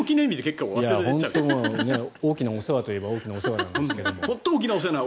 大きなお世話といえば大きなお世話だけど。